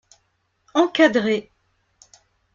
Encadré.